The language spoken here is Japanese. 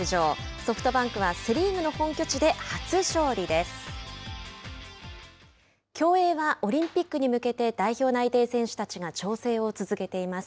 ソフトバンクはセ・リーグの本拠地で競泳はオリンピックに向けて代表内定選手たちが調整を続けています。